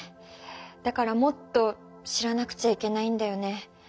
だからもっと知らなくちゃいけないんだよね。